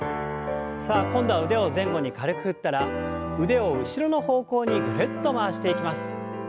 さあ今度は腕を前後に軽く振ったら腕を後ろの方向にぐるっと回していきます。